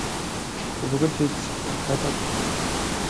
However, there is a drawback to this emergence system.